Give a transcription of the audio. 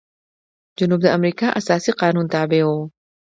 جنوب د امریکا اساسي قانون تابع و.